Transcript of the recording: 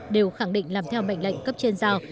đều khẳng định làm theo mệnh lệnh cấp trên giao